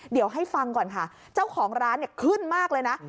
เดี๋ยวให้ฟังก่อนค่ะเจ้าของร้านเนี่ยขึ้นมากเลยนะ